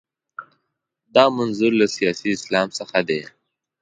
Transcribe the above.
دا منظور له سیاسي اسلام څخه دی.